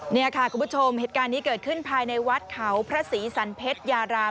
นี่ค่ะคุณผู้ชมเหตุการณ์นี้เกิดขึ้นภายในวัดเขาพระศรีสันเพชรยาราม